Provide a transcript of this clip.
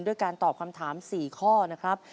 ด้วยการตอบคำถาม๔ข้อนะครับ